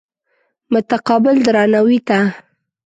متقابل درناوي ته.